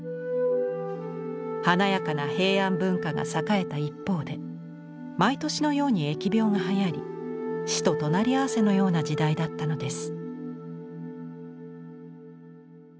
華やかな平安文化が栄えた一方で毎年のように疫病がはやり死と隣り合わせのような時代だったのです。